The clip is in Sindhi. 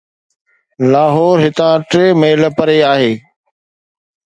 لاهور هتان ٽي ميل پري آهي